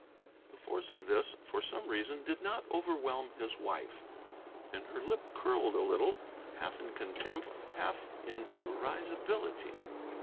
The force of this, for some reason, did not overwhelm his wife; and her lip curled a little, half in contempt, half in risibility.